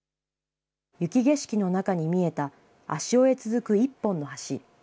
雪景色の中に見えた足尾へ続く一本の橋。